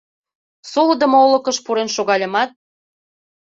Солыдымо олыкыш пурен шогальымат